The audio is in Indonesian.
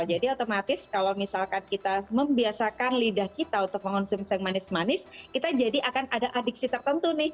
jadi otomatis kalau misalkan kita membiasakan lidah kita untuk mengonsumsi yang manis manis kita jadi akan ada adiksi tertentu nih